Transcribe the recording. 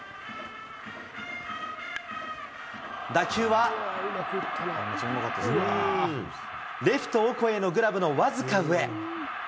打球は、レフト、オコエのグラブの僅か上。